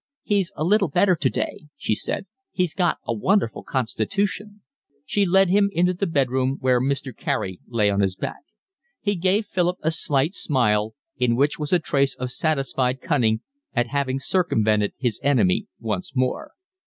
"He's a little better today," she said. "He's got a wonderful constitution." She led him into the bed room where Mr. Carey lay on his back. He gave Philip a slight smile, in which was a trace of satisfied cunning at having circumvented his enemy once more.